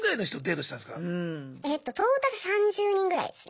トータル３０人ぐらいですね。